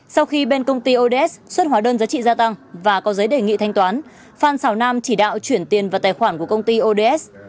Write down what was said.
sau khi bên công ty odes xuất hóa đơn giá trị gia tăng và có giấy đề nghị thanh toán phan xào nam chỉ đạo chuyển tiền vào tài khoản của công ty ods